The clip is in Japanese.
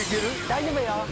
大丈夫よ。